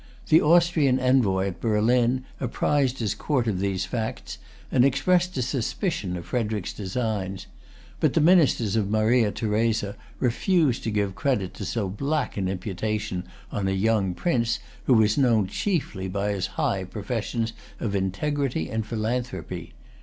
The Austrian envoy at Berlin apprised his court of these facts, and expressed a suspicion of Frederic's designs; but the ministers of Maria Theresa refused to give credit to so black an imputation on a young prince who was known chiefly by his high professions of integrity and philanthropy.